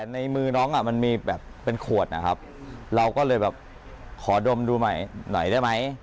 ในมือน้องอ่ะมันมีแบบเป็นขวดนะครับเราก็เลยแบบขอดมดูใหม่หน่อยได้ไหม